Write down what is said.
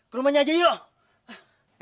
ke rumahnya aja yuk